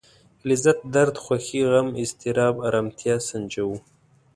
لذت درد خوښي غم اضطراب ارامتيا سنجوو.